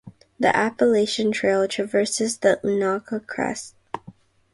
The Appalachian Trail traverses the Unaka crest.